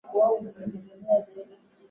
ya wazee hawa au watu waliko kwenye ajira